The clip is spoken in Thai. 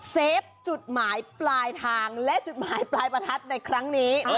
เฟฟจุดหมายปลายทางและจุดหมายปลายประทัดในครั้งนี้